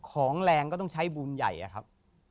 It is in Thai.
ของแรงก็ต้องใช้บุญใหญ่อะครับ